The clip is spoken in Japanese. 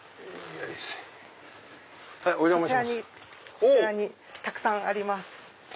こちらにたくさんあります。